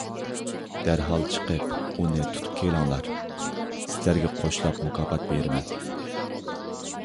دەرھال چىقىپ ئۇنى تۇتۇپ كېلىڭلار. سىلەرگە قوشلاپ مۇكاپات بېرىمەن.